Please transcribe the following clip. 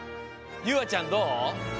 ゆうあちゃんどう？